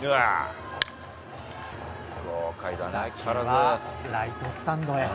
打球はライトスタンドへ。